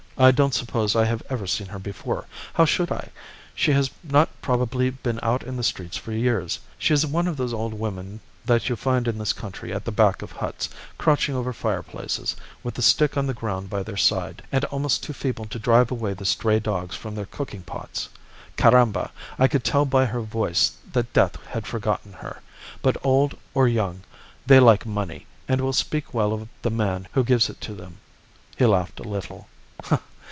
I don't suppose I have ever seen her before. How should I? She has not probably been out in the streets for years. She is one of those old women that you find in this country at the back of huts, crouching over fireplaces, with a stick on the ground by their side, and almost too feeble to drive away the stray dogs from their cooking pots. Caramba! I could tell by her voice that death had forgotten her. But, old or young, they like money, and will speak well of the man who gives it to them.' He laughed a little.